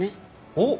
おっ！